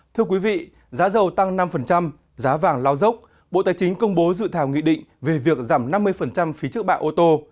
thưa quý vị giá dầu tăng năm giá vàng lao dốc bộ tài chính công bố dự thảo nghị định về việc giảm năm mươi phí trước bạ ô tô